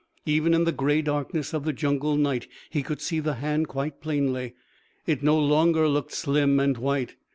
Even in the gray darkness of the jungle night he could see the hand quite plainly. It no longer looked slim and white.